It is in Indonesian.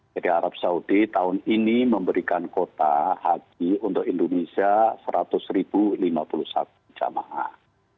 jadi arab saudi tahun ini memberikan kota haji untuk indonesia seratus lima puluh satu jamaah